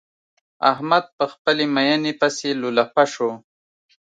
احمد په خپلې ميينې پسې لولپه شو.